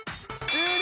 終了。